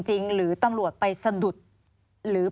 หรือตำรวจไปสะดุดหรือ